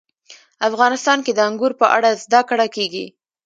افغانستان کې د انګور په اړه زده کړه کېږي.